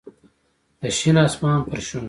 د شین اسمان پر شونډو